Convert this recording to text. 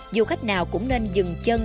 dù khách nào cũng nên dừng chân